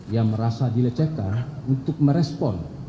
yang merasa dilecehkan untuk merespon